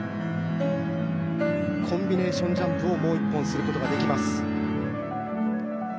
コンビネーションジャンプをもう一本する事ができます。